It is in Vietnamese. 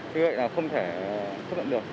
như vậy là không thể chấp nhận được